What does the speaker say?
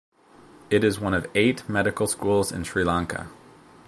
It is one of eight medical schools in Sri Lanka.